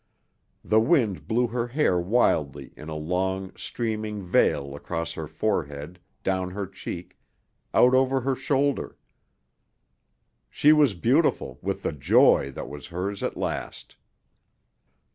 The wind blew her hair wildly in a long, streaming veil across her forehead, down her cheek, out over her shoulder. She was beautiful with the joy that was hers at last.